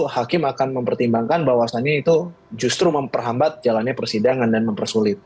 hakim akan mempertimbangkan bahwasannya itu justru memperhambat jalannya persidangan dan mempersulit